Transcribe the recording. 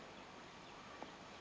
dalam waktu singkat itu